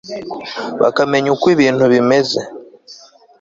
bakamenya uko ibintu bimeze